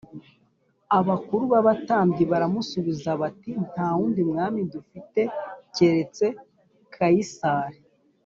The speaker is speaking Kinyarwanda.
Abakuru b abatambyi baramusubiza bati nta wundi mwami dufite keretse Kayisari